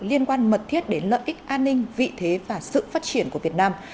liên quan mật thiết đến lợi ích an ninh vị thế và sự phát triển của việt nam